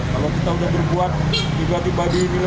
kalau kita udah berbuat tiba tiba dinilai